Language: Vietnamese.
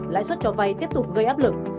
lãi suất cho vay tiếp tục gây áp lực